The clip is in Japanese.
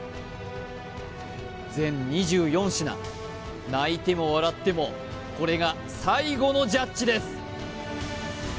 全２４品泣いても笑ってもこれが最後のジャッジです